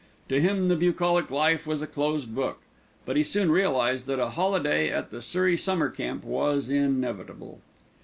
To him the bucolic life was a closed book; but he soon realised that a holiday at the Surrey Summer Camp was inevitable.